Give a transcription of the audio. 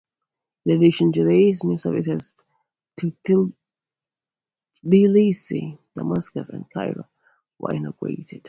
In addition to this, new services to Tbilisi, Damascus and Cairo were inaugurated.